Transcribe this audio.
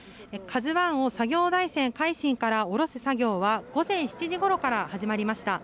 「ＫＡＺＵ１」を作業台船「海進」から下ろす作業は午前７時ごろから始まりました。